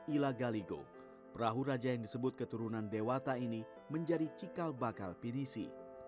ila galigo perahu raja yang disebut keturunan dewata ini menjadi cikal bakal pinisi